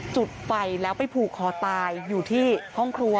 จุดไฟแล้วไปผูกคอตายอยู่ที่ห้องครัว